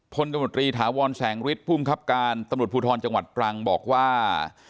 ตมตรีถาวรแสงฤทธิภูมิครับการตำรวจภูทรจังหวัดตรังบอกว่า